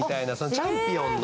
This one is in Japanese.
チャンピオンの。